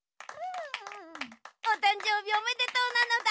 おたんじょうびおめでとうなのだ。